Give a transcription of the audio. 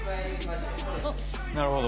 なるほど。